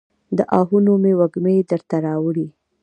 د آهونو مې وږمې درته راوړي